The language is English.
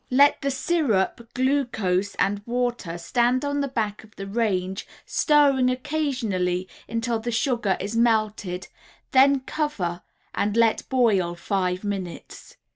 Let the sugar, syrup, glucose and water stand on the back of the range, stirring occasionally, until the sugar is melted, then cover and let boil five minutes.